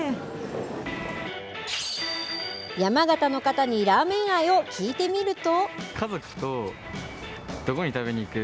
山形の方にラーメン愛を聞いてみると。